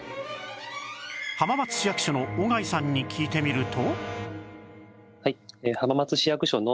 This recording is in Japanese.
浜松市役所の小粥さんに聞いてみると